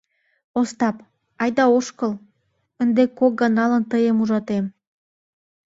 Остап, айда ошкыл... ынде кок ганалан тыйым ужатем.